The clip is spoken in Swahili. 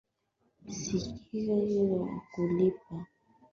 serikali inaweza kutimiza majukumu ya kulipa madeni ya nje